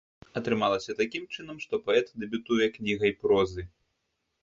Атрымалася такім чынам, што паэт дэбютуе кнігай прозы.